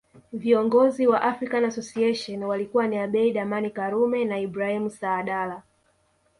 Viongozi wa African Association walikuwa ni Abeid Amani Karume na Ibrahim Saadala